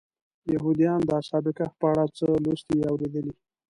یهودیان د اصحاب کهف په اړه څه لوستي یا اورېدلي.